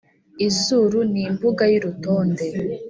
Izuru ni imbuga y’urutonde,